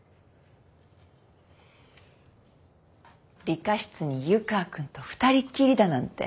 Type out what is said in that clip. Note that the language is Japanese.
理科室に湯川君と二人っきりだなんて。